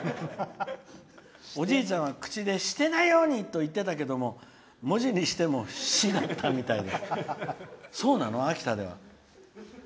おじいちゃんは口でしてないようにって言ってたけど文字にしてもしてないように？